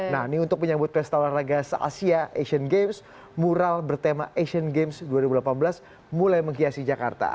nah ini untuk menyambut pesta olahraga se asia asian games mural bertema asian games dua ribu delapan belas mulai menghiasi jakarta